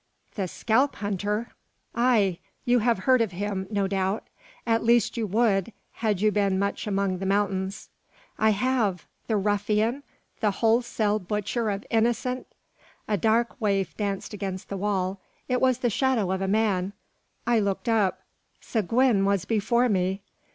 "The Scalp hunter!" "Ay! you have heard of him, no doubt; at least you would, had you been much among the mountains." "I have. The ruffian! the wholesale butcher of innocent " A dark waif danced against the wall: it was the shadow of a man. I looked up. Seguin was before me!